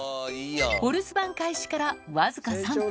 お留守番開始から僅か３分。